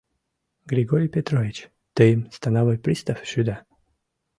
— Григорий Петрович, тыйым становой пристав шӱда.